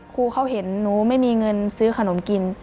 ครูเขาเห็นหนูไม่มีเงินซื้อขนมกิน